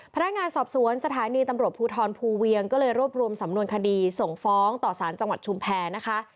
พนักงานสอบสวนสถานีตำรวจภูทรภูเวียงก็เลยรวบรวมสำนวนคดีส่งฟ้องต่อสารจังหวัดชุมแพรนะคะ